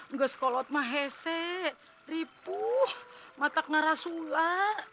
nggak sekolot mahese ripuh matak narasula